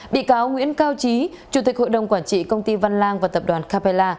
bị cáo nguyễn cao trí chủ tịch hội đồng quản trị công ty văn lang và tập đoàn capella